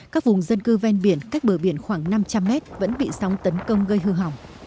các vùng dân cư ven biển cách bờ biển khoảng năm trăm linh mét vẫn bị sóng tấn công gây hư hỏng